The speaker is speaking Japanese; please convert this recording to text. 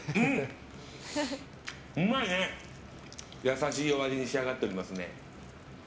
優しいお味に仕上がっておりますね。